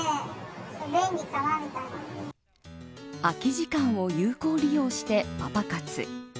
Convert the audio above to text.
空き時間を有効利用してパパ活。